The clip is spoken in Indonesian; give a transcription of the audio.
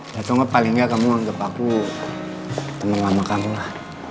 ya coba paling gak kamu anggap aku teman lama kamu lah